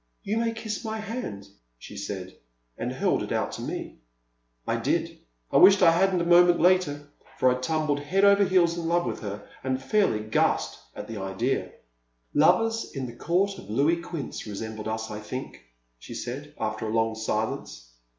''You may kiss my hand," she said, and held it out to me. I did. I wished I had n't a moment later, for I tumbled head over heels in love with her and fairly gasped at the idea. I/)vers in the Court of Louis Quinze resem bled us, I think," she said, after a long silence.